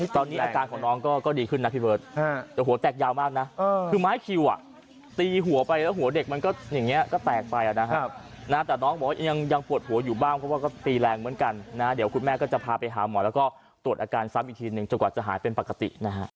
ตอนนี้อาการของน้องก็ดีขึ้นนะพี่เบิร์ตแต่หัวแตกยาวมากนะคือไม้คิวตีหัวไปแล้วหัวเด็กมันก็อย่างนี้ก็แตกไปนะครับแต่น้องบอกว่ายังปวดหัวอยู่บ้างเพราะว่าก็ตีแรงเหมือนกันนะเดี๋ยวคุณแม่ก็จะพาไปหาหมอแล้วก็ตรวจอาการซ้ำอีกทีหนึ่งจนกว่าจะหายเป็นปกตินะฮะ